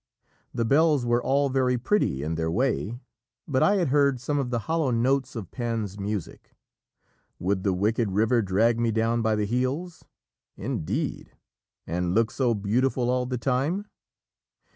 The bells were all very pretty in their way, but I had heard some of the hollow notes of Pan's music. Would the wicked river drag me down by the heels, indeed? and look so beautiful all the time?